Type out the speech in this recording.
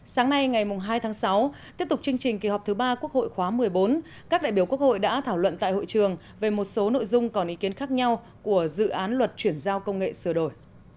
sáng nay ngày hai tháng sáu tiếp tục chương trình kỳ họp thứ ba quốc hội khóa một mươi bốn các đại biểu quốc hội đã thảo luận tại hội trường về một số nội dung còn ý kiến khác nhau của dự án luật chuyển giao công nghệ sửa đổi